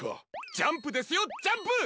ジャンプですよジャンプ！